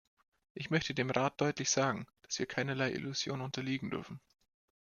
Ich möchte dem Rat deutlich sagen, dass wir keinerlei Illusionen unterliegen dürfen.